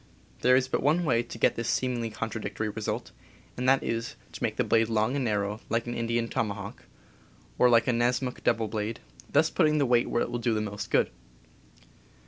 There is but one way to get this seemingly contradictory result, and that is to make the blade long and narrow, like an Indian toma hawk, or like a Nessmuk double blade, thus putting the weight where it will do the most good.